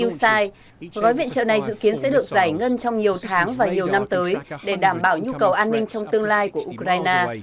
sai gói viện trợ này dự kiến sẽ được giải ngân trong nhiều tháng và nhiều năm tới để đảm bảo nhu cầu an ninh trong tương lai của ukraine